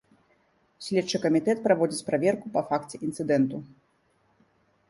Следчы камітэт праводзіць праверку па факце інцыдэнту.